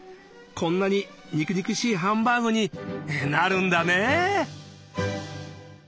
こんなに肉肉しいハンバーグになるんだね！